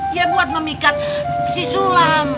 dia buat memikat si sulam